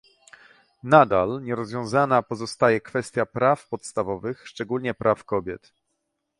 Nadal nierozwiązana pozostaje kwestia praw podstawowych, szczególnie praw kobiet